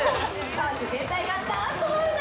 パーク全体がダンスホールだ！